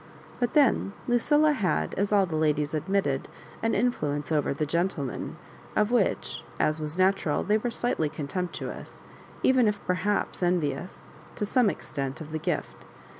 But then Lucilla had, as all the ladies admitted, an influence over "the gentlemen," of which, as was natural, they were slightly contemptuous, even if perhaps envious, to some extent, of the gifk.